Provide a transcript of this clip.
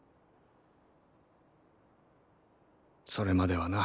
それまではな。